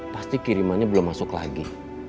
pasti kirimannya belum masuk lagi